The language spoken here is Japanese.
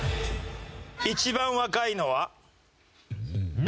一番若いのはＢ！